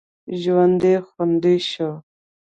ژوند یې خوندي شو.